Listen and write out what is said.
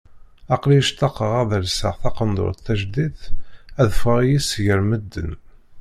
Aql-i ctaqeɣ ad lseɣ taqendurt tajdidt ad ffɣeɣ yis-s gar medden.